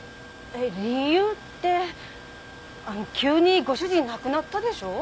理由って急にご主人亡くなったでしょ。